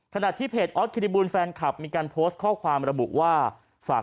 ขณะที่เพจออสคิริบูลแฟนคลับมีการโพสต์ข้อความระบุว่าฝาก